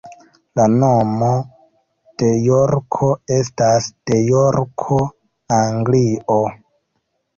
La nomo de Jorko estas de Jorko, Anglio.